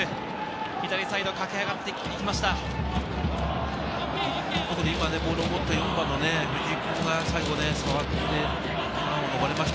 左サイド駆け上がって、一気にいきました。